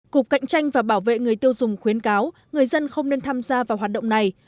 cục cạnh tranh và bảo vệ người tiêu dùng khuyến cáo người dân không nên tham gia vào hoạt động này